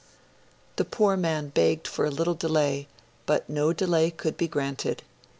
The poor man begged for a little delay; but no delay could be granted.